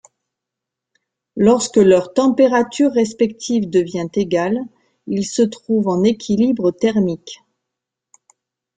Lorsque leur température respective devient égale, ils se trouvent en équilibre thermique.